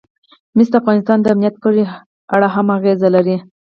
مس د افغانستان د امنیت په اړه هم اغېز لري.